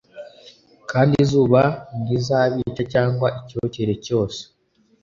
kandi izuba ntirizabica cyangwa icyokere cyose,